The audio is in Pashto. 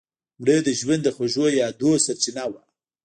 مړه د ژوند د خوږو یادونو سرچینه وه